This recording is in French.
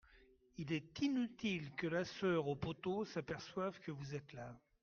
Il est inutile que la soeur au poteau s'aperçoive que vous êtes là.